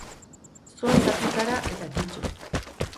Zoaz Afrikara, eta kito.